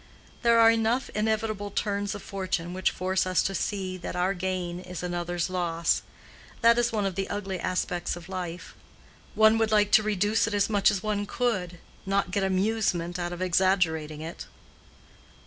There are enough inevitable turns of fortune which force us to see that our gain is another's loss:—that is one of the ugly aspects of life. One would like to reduce it as much as one could, not get amusement out of exaggerating it."